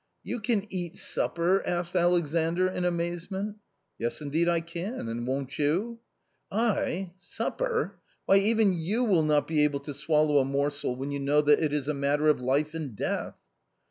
"You can eat supper?" asked Alexandr in amaze ment " Yes, indeed I can ; and won't you ?"" I — supper ! why, even you will not be able to swallow a morsel when you know that it is a matter of life and death."